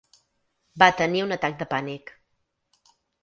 Va tenir un atac de pànic.